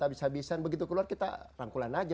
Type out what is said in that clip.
habis habisan begitu keluar kita rangkulan aja